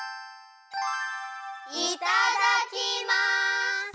いただきます！